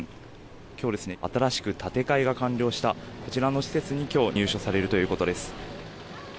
今日、新しく建て替えが完了したこちらの施設に今日、入所されるということです。